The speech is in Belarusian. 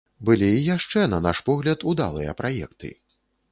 Былі і яшчэ, на наш погляд, удалыя праекты.